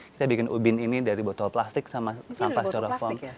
kita bikin ubin ini dari botol plastik sama sampah styrofoam